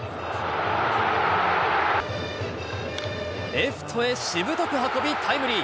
レフトへしぶとく運び、タイムリー。